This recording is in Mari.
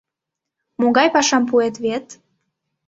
— Могай пашам пуэт вет.